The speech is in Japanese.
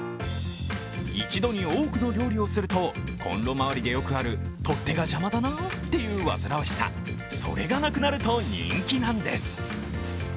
一度に多くの料理をすると、コンロ周りでよくある取っ手が邪魔だなという煩わしさ、それがなくなると人気なんです。